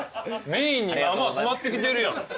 メインにまあまあ迫ってきてるやん。